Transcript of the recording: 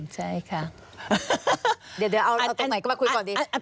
เดี๋ยวเอาตัวใหม่ก็มาคุยก่อนดี